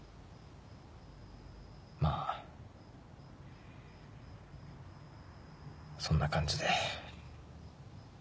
まぁそんな感じで。